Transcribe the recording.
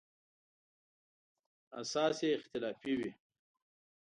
اساس یې اختلافي وي.